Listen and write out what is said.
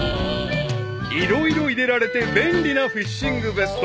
［色々入れられて便利なフィッシングベスト］